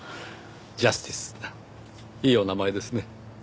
ジャスティスいいお名前ですね。